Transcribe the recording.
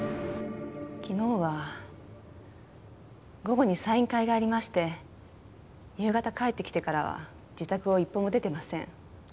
昨日は午後にサイン会がありまして夕方帰ってきてからは自宅を一歩も出てません。